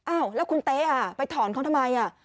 อ้าวแล้วคุณเต๊ะไปถอนเขาทำไม